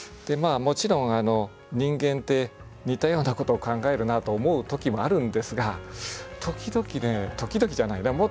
もちろん人間って似たようなことを考えるなと思う時もあるんですが時々ね時々じゃないな